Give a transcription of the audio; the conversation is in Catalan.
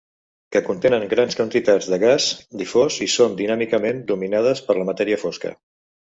Que contenen grans quantitats de gas difós i són dinàmicament dominades per la matèria fosca.